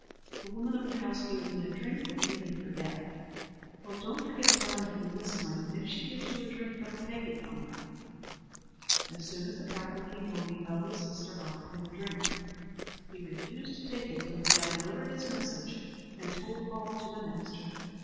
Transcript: "The woman of the house gave me a drink that made me forget." "Well, don't forget telling him this night; and if she gives you a drink, don't take it from her." As soon as the cowboy came home, the eldest sister offered him a drink. He refused to take it till he had delivered his message and told all to the master.